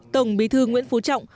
tổng bí thư nguyễn phú trọng